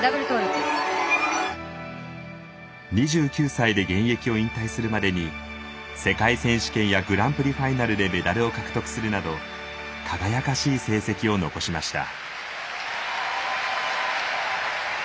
２９歳で現役を引退するまでに世界選手権やグランプリファイナルでメダルを獲得するなど輝かしい成績を残しました。